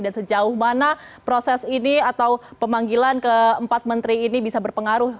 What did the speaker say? dan sejauh mana proses ini atau pemanggilan ke empat menteri ini bisa berpengaruh